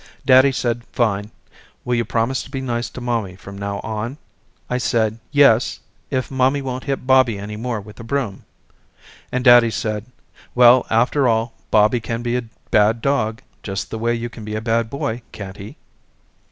Daddy said fine, will you promise to be nice to mommy from now on? I said yes if mommy won't hit Bobby any more with the broom. And daddy said well after all Bobby can be a bad dog just the way you can be a bad boy, can't he?